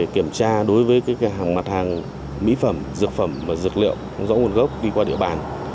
kiểm tra đối với hàng mặt hàng mỹ phẩm dược phẩm và dược liệu rõ nguồn gốc đi qua địa bàn